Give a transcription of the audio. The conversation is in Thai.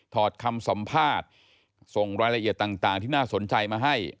อดคำสัมภาษณ์ส่งรายละเอียดต่างที่น่าสนใจมาให้